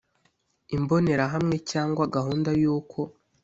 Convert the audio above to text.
imbonerahamwe cyangwa gahunda y uko